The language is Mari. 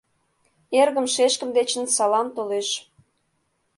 Эргым-шешкым дечын салам толеш.